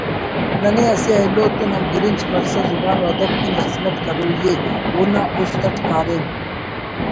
ننے اسہ ایلوتون ہمگرنچ مرسا زبان وادب کن خذمت کروئی ءِ اونا اُست اَٹ کاریم